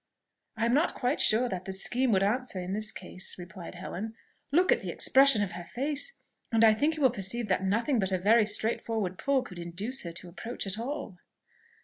"I am not quite sure that the scheme would answer in this case," replied Helen. "Look at the expression of her face, and I think you will perceive that nothing but a very straightforward pull could induce her to approach at all."